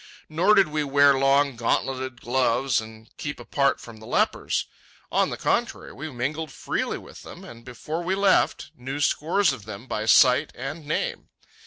Nor did we wear long, gauntleted gloves and keep apart from the lepers. On the contrary, we mingled freely with them, and before we left, knew scores of them by sight and name.